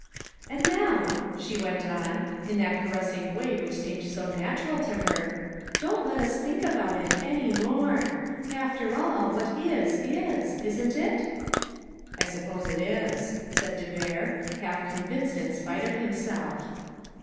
"And now," she went on, in that caressing way which seemed so natural to her, "don't let us think about it any more! After all, what is is, isn't it?" "I suppose it is," said de Vere, half convinced in spite of himself.